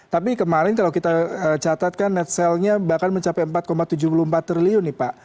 tapi kemarin kalau kita catatkan net sale nya bahkan mencapai empat tujuh puluh empat triliun nih pak